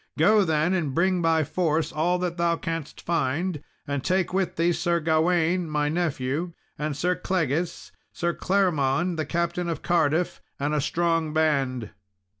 Go then, and bring by force all that thou canst find; and take with thee Sir Gawain, my nephew, and Sir Clegis, Sir Claremond the Captain of Cardiff, and a strong band."